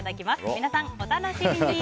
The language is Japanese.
皆さん、お楽しみに。